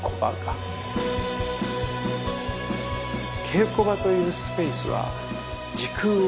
稽古場というスペースは。